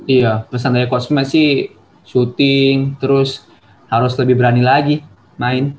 iya pesan dari coach matt sih shooting terus harus lebih berani lagi main